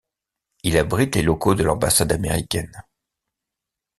Il abrite les locaux de l'ambassade américaine.